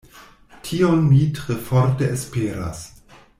Tion mi tre forte esperas.